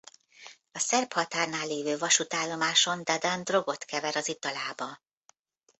A szerb határnál lévő vasútállomáson Dadan drogot kever az italába.